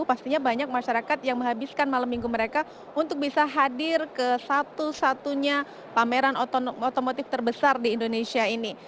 pastinya banyak masyarakat yang menghabiskan malam minggu mereka untuk bisa hadir ke satu satunya pameran otomotif terbesar di indonesia ini